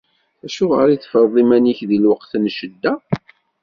Acuɣer i teffreḍ iman-ik di lweqt n ccedda?